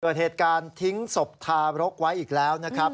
เกิดเหตุการณ์ทิ้งศพทารกไว้อีกแล้วนะครับ